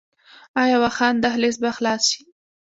آیا واخان دهلیز به خلاص شي؟